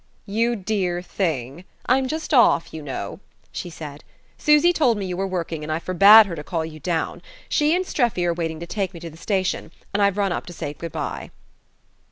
"You dear thing I'm just off, you know," she said. "Susy told me you were working, and I forbade her to call you down. She and Streffy are waiting to take me to the station, and I've run up to say good bye."